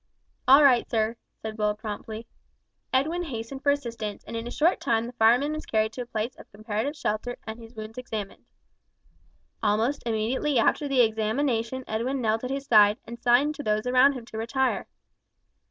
"All right sir," said Will, promptly. Edwin hastened for assistance, and in a short time the fireman was carried to a place of comparative shelter and his wounds examined. Almost immediately after the examination Edwin knelt at his side, and signed to those around him to retire.